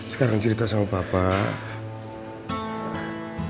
sekarang cerita sama bapak